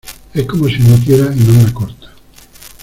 es como si emitiera en onda corta.